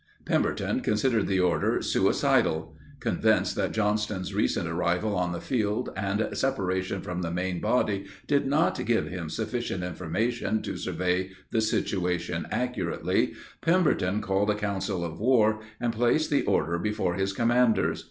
Pemberton considered the order "suicidal." Convinced that Johnston's recent arrival on the field and separation from the main body did not give him sufficient information to survey the situation accurately, Pemberton called a council of war and placed the order before his commanders.